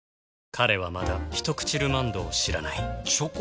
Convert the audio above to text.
彼はまだ「ひとくちルマンド」を知らないチョコ？